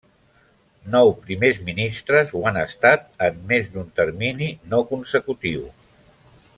Nou primers ministres ho han estat en més d'un termini no consecutiu.